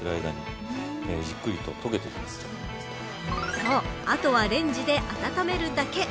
そう、あとはレンジで温めるだけ。